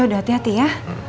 yaudah hati hati ya